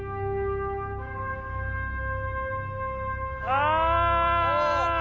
ああ！